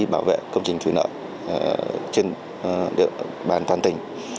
bảo vệ công trình thủy lợi trên địa bàn toàn tỉnh